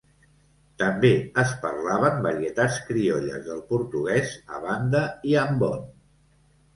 També es parlaven varietats criolles del portuguès a Banda i Ambon.